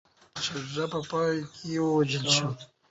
شاه شجاع په پای کي ووژل شو.